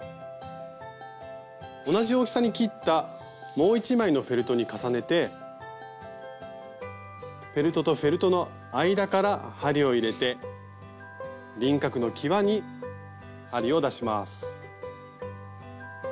同じ大きさに切ったもう１枚のフェルトに重ねてフェルトとフェルトの間から針を入れて輪郭のきわに針を出します。